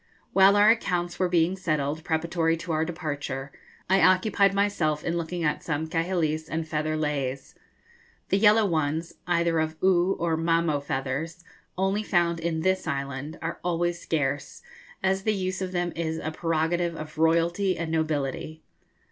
While our accounts were being settled, preparatory to our departure, I occupied myself in looking at some kahilis and feather leis. The yellow ones, either of Oo or Mamo feathers, only found in this island, are always scarce, as the use of them is a prerogative of royalty and nobility.